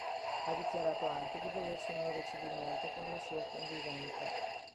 Ha dichiarato anche di volersi unire civilmente con la sua convivente.